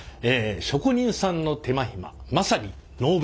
職人さんの手間暇まさにノーベル賞！